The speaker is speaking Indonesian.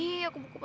nggak ada apa apa